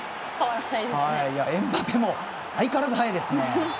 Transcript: エムバペも相変わらず速いですね。